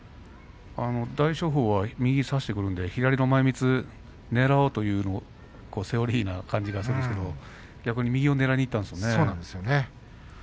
大翔鵬は右を差してくるので左の前みつをねらうというセオリーな感じがするんですけど逆に右をねらいにいったんですね。